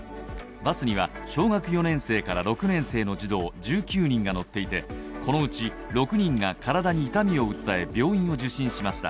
バスには小学４年生から６年生の児童１９人が乗っていてこのうち６人が体に痛みを訴え病院を受診しました。